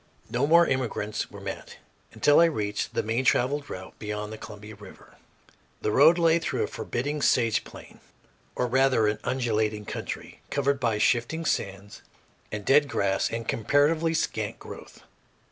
No more immigrants were met until I reached the main traveled route beyond the Columbia River. The road lay through a forbidding sage plain, or rather an undulating country, covered by shifting sands and dead grass of comparatively scant growth.